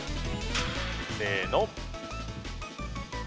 せの。